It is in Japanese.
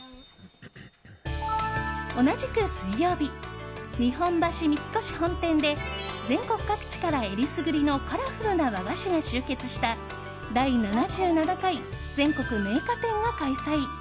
同じく水曜日日本橋三越本店で全国各地からえりすぐりのカラフルな和菓子が集結した第７７回全国銘菓展が開催。